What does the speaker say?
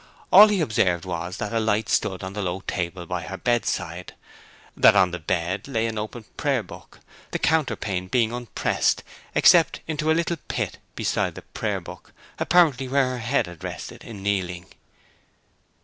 All he observed was that a light stood on the low table by her bedside; that on the bed lay an open Prayer Book, the counterpane being unpressed, except into a little pit beside the Prayer Book, apparently where her head had rested in kneeling.